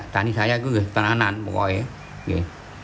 tani saya itu tenanan pokoknya